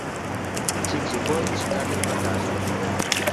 Xics i polls, caguen la casa.